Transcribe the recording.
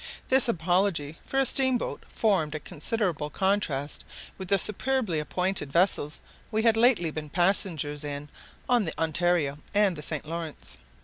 This apology for a steam boat formed a considerable contrast with the superbly appointed vessels we had lately been passengers in on the Ontario and the St. Laurence.